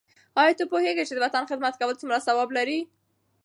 آیا ته پوهېږې چې د وطن خدمت کول څومره ثواب لري؟